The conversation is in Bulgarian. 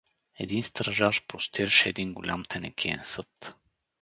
Един стражар простираше един голям тенекиен съд.